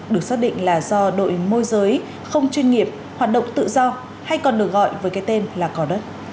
được xác định là do đội môi giới không chuyên nghiệp hoạt động tự do hay còn được gọi với cái tên là cỏ đất